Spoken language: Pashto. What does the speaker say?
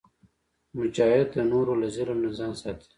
مجاهد د نورو له ظلم نه ځان ساتي.